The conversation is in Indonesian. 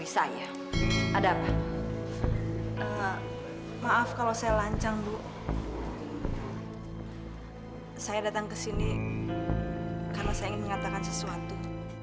saya datang ke sini karena saya ingin mengatakan sesuatu